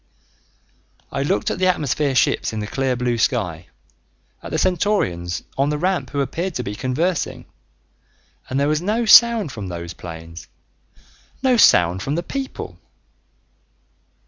I looked at the atmosphere ships in the clear blue sky, at the Centaurians on the ramp who appeared to be conversing and there was no sound from those planes, no sound from the people!